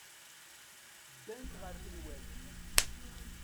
Ddant ɣer tenwalt.